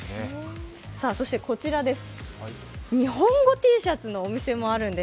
そしてこちら、日本語Ｔシャツのお店もあるんです。